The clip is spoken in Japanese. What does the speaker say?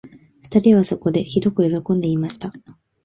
二人はそこで、ひどくよろこんで言いました